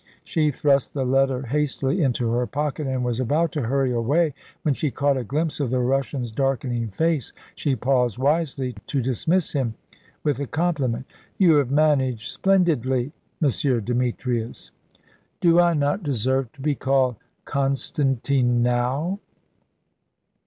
She thrust the letter hastily into her pocket and was about to hurry away, when she caught a glimpse of the Russian's darkening face. She paused wisely, to dismiss him with a compliment. "You have managed splendidly, M. Demetrius." "Do I not deserve to be called Constantine, now?"